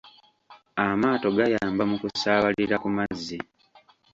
Amaato gayamba mu kusaabalira ku mazzi.